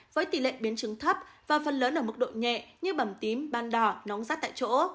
với tỷ lệ biến chứng thấp và phần lớn ở mức độ nhẹ như bầm tím ban đỏ nóng rắt tại chỗ